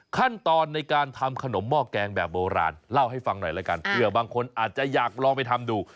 ขั้นตอนในการทำขนมหม้อแกงแบบโบราณเล่าให้ฟังหน่อยแล้วกันเผื่อบางคนอาจจะอยากลองไปทำดู